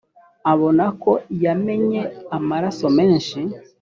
abona ko yamennye amaraso menshi.